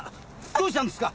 どうしたんですか？